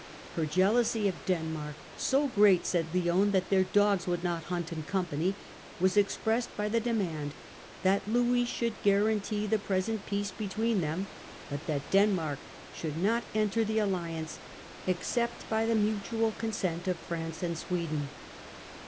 Her jealousy of Denmark — so great, said Lionne, that their dogs would not hunt in company — was expressed by the demand that Louis should guarantee the 190 Preparations of Louk for War. 1668. present peace between them, butj that Denmark should not enter the alliance, except by the mutual consent ot France and Sweden.